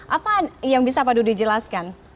apa yang bisa pak dodi jelaskan